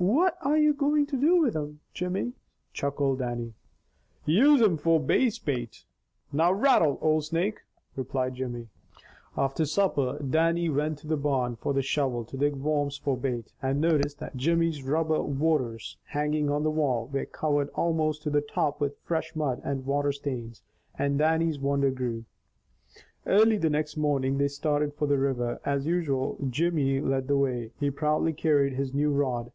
"What are ye going to do with them, Jimmy?" chuckled Dannie. "Use thim for Bass bait! Now rattle, old snake!" replied Jimmy. After supper Dannie went to the barn for the shovel to dig worms for bait, and noticed that Jimmy's rubber waders hanging on the wall were covered almost to the top with fresh mud and water stains, and Dannie's wonder grew. Early the next morning they started for the river. As usual Jimmy led the way. He proudly carried his new rod.